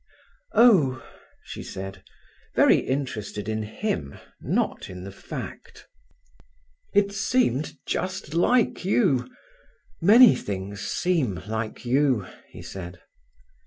"Oh!" she said, very interested in him, not in the fact. "It seemed just like you. Many things seem like you," he said.